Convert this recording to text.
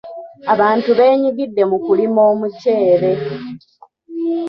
Abantu beenyigidde mu kulima omuceere.